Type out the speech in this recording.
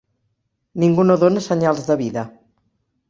Ningú no dóna senyals de vida.